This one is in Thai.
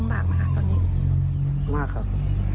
มากครับ